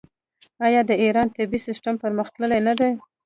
آیا د ایران طبي سیستم پرمختللی نه دی؟